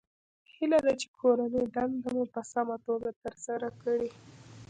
هیله ده چې کورنۍ دنده مو په سمه توګه ترسره کړئ